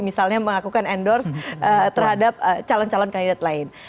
misalnya melakukan endorse terhadap calon calon kandidat lain